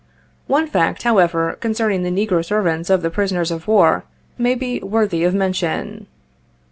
One fact, however, concerning the negro servants of the prisoners of war, may be worthy of mention.